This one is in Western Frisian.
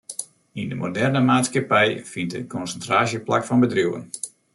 Yn de moderne maatskippij fynt in konsintraasje plak fan bedriuwen.